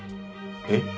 えっ？